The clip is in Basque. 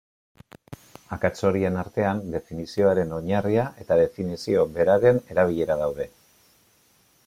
Akats horien artean, definizioaren oinarria eta definizio beraren erabilera daude.